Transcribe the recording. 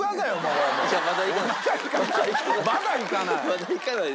まだいかない？